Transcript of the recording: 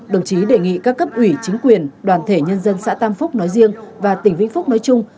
đồng chí đề nghị các cấp ủy chính quyền đoàn thể nhân dân xã tam phúc nói riêng và tỉnh vĩnh phúc nói chung